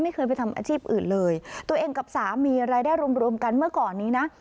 ไม่เคยไปทำอาชีพอื่นเลยตัวเองกับสามีรายได้รวมรวมกันเมื่อก่อนนี้นะ